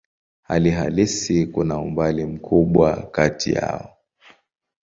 Hali halisi kuna umbali mkubwa kati yao.